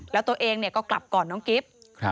แล้วตัวเองก็กลับก่อนน้องกิฟต์